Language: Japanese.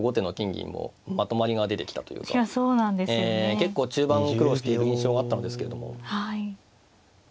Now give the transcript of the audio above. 結構中盤苦労している印象はあったのですけれども。